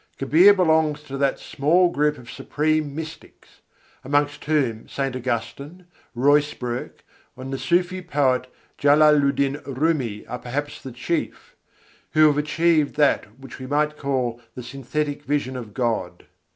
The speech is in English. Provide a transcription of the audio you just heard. Kabîr belongs to that small group of supreme mystics amongst whom St. Augustine, Ruysbroeck, and the Sûfî poet Jalâlu'ddîn Rûmî are perhaps the chief who have achieved that which we might call the synthetic vision of God.